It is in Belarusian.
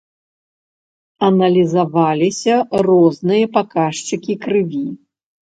Аналізаваліся розныя паказчыкі крыві.